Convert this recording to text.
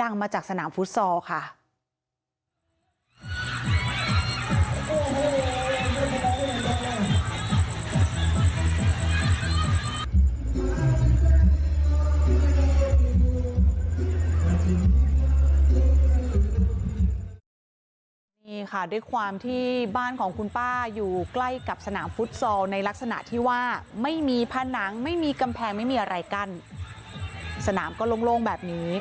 นี่ค่ะด้วยความที่บ้านของคุณป้าอยู่ใกล้กับสนามฟุตซอลในลักษณะที่ว่าไม่มีผนังไม่มีกำแพงไม่มีอะไรกั้นสนามก็โล่งแบบนี้